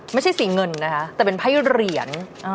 ไม่ใช่สีเงินนะคะแต่เป็นไพ่เหรียญ